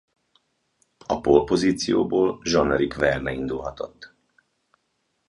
A pole-pozícióból Jean-Éric Vergne indulhatott.